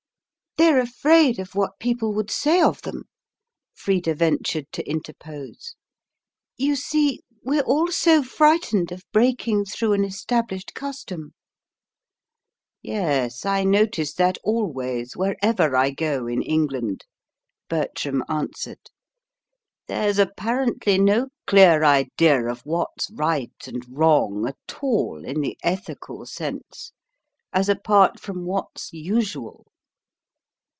"They're afraid of what people would say of them," Frida ventured to interpose. "You see, we're all so frightened of breaking through an established custom." "Yes, I notice that always, wherever I go in England," Bertram answered. "There's apparently no clear idea of what's right and wrong at all, in the ethical sense, as apart from what's usual.